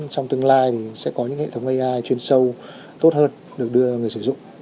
trong tương lai thì sẽ có những hệ thống ai chuyên sâu tốt hơn được đưa người sử dụng